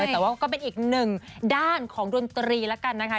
แต่ว่าก็เป็นอีกหนึ่งด้านของดนตรีแล้วกันนะคะ